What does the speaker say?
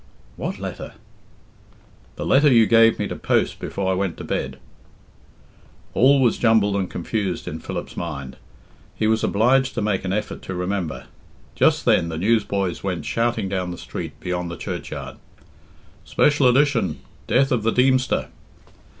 "What letter?" "The letter you gave me to post before I went to bed." All was jumbled and confused in Philip's mind. He was obliged to make an effort to remember. Just then the newsboys went shouting down the street beyond the churchyard: "Special edition Death of the Deemster."